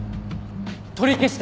取り消して！